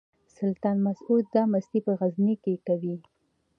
سلطان مسعود دا مستي په غزني کې کوي.